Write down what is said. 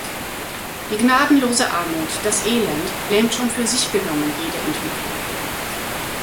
Die gnadenlose Armut, das Elend, lähmt schon für sich genommen jede Entwicklung.